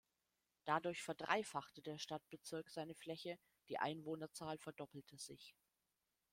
Dadurch verdreifachte der Stadtbezirk seine Fläche, die Einwohnerzahl verdoppelte sich.